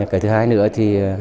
cái thứ hai nữa thì